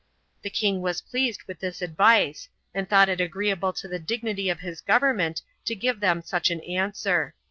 23 The king was pleased with this advice, and thought it agreeable to the dignity of his government to give them such an answer.